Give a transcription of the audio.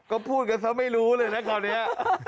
ก็พูดกันซะไม่รู้เลยนะตอนนี้